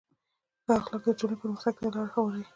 ښه اخلاق د ټولنې پرمختګ ته لاره هواروي.